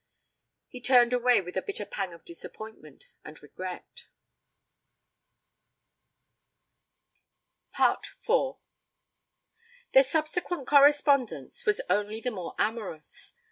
He turned away with a bitter pang of disappointment and regret. IV Their subsequent correspondence was only the more amorous.